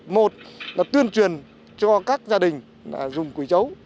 một là tuyên truyền cho các gia đình dùng quỳ chấu